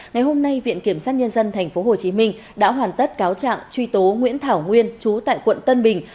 ngày hôm nay viện kiểm sát nhân dân tp hcm đã hoàn tất cáo trạng truy tố nguyễn thảo nguyên chú tại quận tân bình